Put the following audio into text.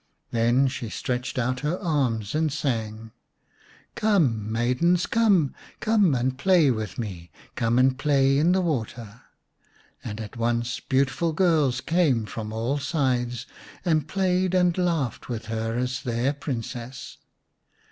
Then she stretched out her arms and sang : 233 The Beauty and the Beast " Come, maidens, come, Come and play with me, Come and play in the water." And at once beautiful girls came from a]l sides and played and laughed with her as their Princess.